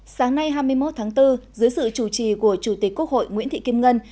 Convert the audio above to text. sáng nay hai mươi một tháng bốn dưới sự chủ trì của chủ tịch quốc hội nguyễn thị kim ngân